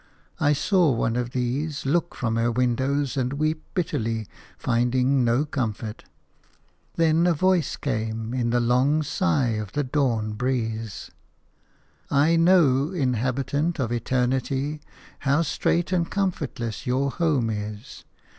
I saw one of these look from her windows and weep bitterly, finding no comfort. Then a voice came in the long sigh of the dawn breeze:– "I know, inhabitant of eternity, how strait and comfortless your home is.